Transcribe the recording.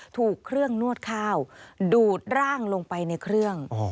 ถูกเครื่องนวดข้าวดูดร่างลงไปในเครื่อง